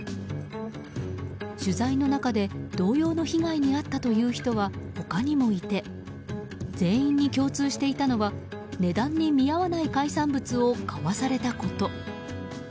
取材の中で同様の被害に遭ったという人は他にもいて全員に共通していたのは値段に見合わない海産物を買わされたこと。